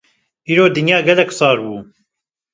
Îroj dinya gelekî sar bû.